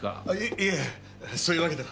いえそういうわけでは。